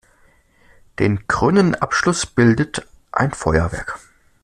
Den krönenden Abschluss bildet ein Feuerwerk.